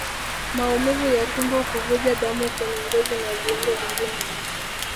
Maumivu ya tumbo Kuvuja damu kwenye ngozi na viungo vingine